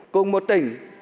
cùng một tỉnh